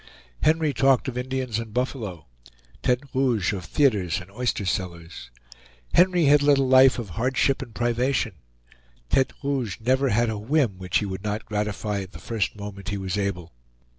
Henry talked of Indians and buffalo; Tete Rouge of theaters and oyster cellars. Henry had led a life of hardship and privation; Tete Rouge never had a whim which he would not gratify at the first moment he was able.